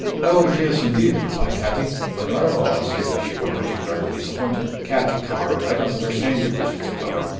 "Oh, yes, indeed," replied Katy, but not at all as if she were particularly disappointed. "Katy Carr, I don't understand you," persisted Clover.